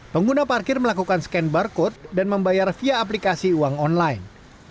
pengguna parkir melakukan scan barcode dan membayar via aplikasi uang online